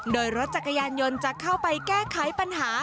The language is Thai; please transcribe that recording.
โดยรถจักรยานยนต์จะเข้าไปแก้ไขปัญหา